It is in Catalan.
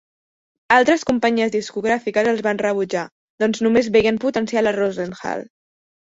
Altres companyies discogràfiques els van rebutjar, doncs només veien potencial a Rosendahl.